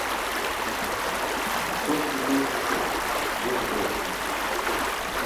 Gos dukoocase gos goorći.